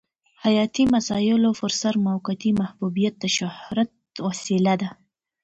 حیاتي مسایلو پرسر موقتي محبوبیت د شهرت وسیله ده.